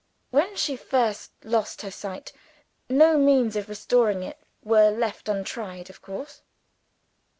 _ When she first lost her sight, no means of restoring it were left untried, of course?"